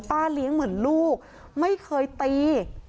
เลี้ยงเหมือนลูกไม่เคยตี